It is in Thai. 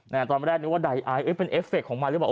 น่ะตอนแรกนึกว่าดัยอายเอ้ยเป็นเอฟเฟคของมันหรือเปล่า